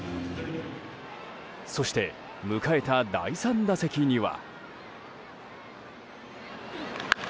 そして迎えた第３打席には。